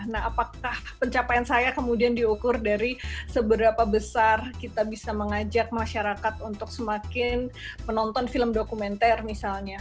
nah apakah pencapaian saya kemudian diukur dari seberapa besar kita bisa mengajak masyarakat untuk semakin menonton film dokumenter misalnya